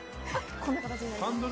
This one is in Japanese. こんな形になります。